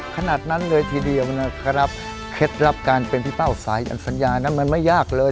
ขนาดนั้นเลยทีเดียวนะครับเคล็ดลับการเป็นพี่เป้าสายอันสัญญานั้นมันไม่ยากเลย